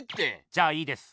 じゃあいいです。